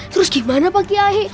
terus gimana pak kiai